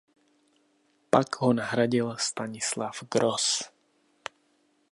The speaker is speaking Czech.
Pak ho nahradil Stanislav Gross.